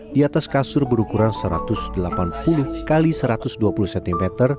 di atas kasur berukuran satu ratus delapan puluh x satu ratus dua puluh cm